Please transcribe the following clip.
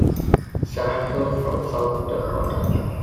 Senator from South Dakota.